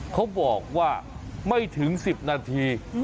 เขาบอกว่าไม่ถึง๑๐นาที